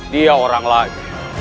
dia orang lain